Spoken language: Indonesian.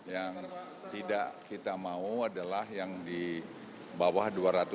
yang tidak kita mau adalah yang di bawah dua ratus